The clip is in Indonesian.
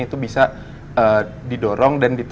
dia sampai nahan kentut